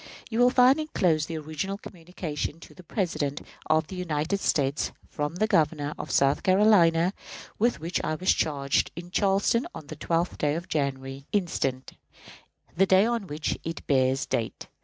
You will find inclosed the original communication to the President of the United States from the Governor of South Carolina, with which I was charged in Charleston on the 12th day of January, instant, the day on which it bears date.